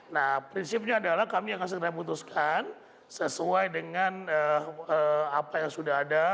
nah prinsipnya adalah kami akan segera putuskan sesuai dengan apa yang sudah ada